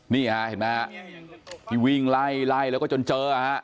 นี่เห็นมั้ยครับวิ่งไล่แล้วก็จนเจอ